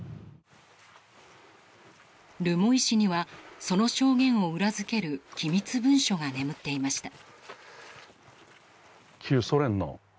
留萌市には、その証言を裏付ける機密文書が眠っていました。